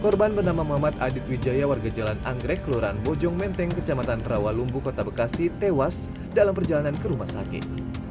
korban bernama muhammad adit wijaya warga jalan anggrek kelurahan bojong menteng kecamatan rawalumbu kota bekasi tewas dalam perjalanan ke rumah sakit